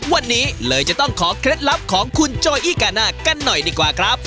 วันนี้เลยจะต้องขอเคล็ดลับของคุณโจอี้กาน่ากันหน่อยดีกว่าครับ